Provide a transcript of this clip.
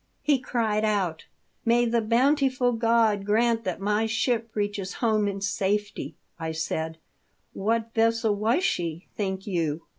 He cried out, * May the bountiful God grant that my ship reaches home in safety !' I said, ' What vessel was she, think you